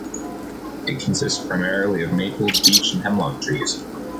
It consists primarily of Maple, Beech and Hemlock trees.